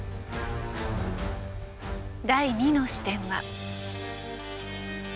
第２の視点は。